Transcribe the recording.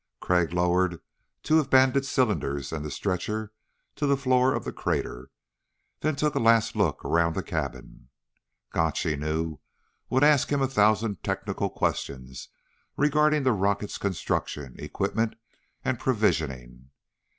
Crag lowered two of Bandit's cylinders and the stretcher to the floor of the crater, then took a last look around the cabin. Gotch, he knew, would ask him a thousand technical questions regarding the rocket's construction, equipment, and provisioning.